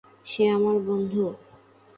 সে আমার বন্ধু।